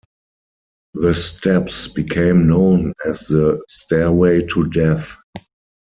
The steps became known as the "Stairway to Death".